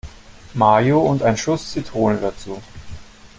Mayo und ein Schuss Zitrone dazu.